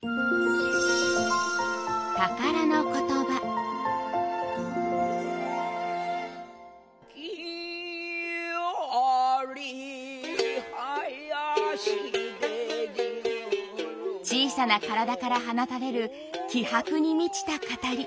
木遣り囃子で小さな体から放たれる気迫に満ちた語り。